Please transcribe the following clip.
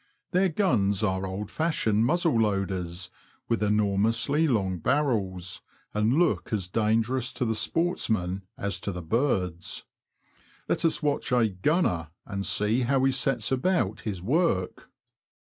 Their guns are old fashioned muzzle loaders, with enormously long barrels, and look as dangerous to the sportsmen as to the birds. Let us watch a ''gunner," and see how he sets about his work.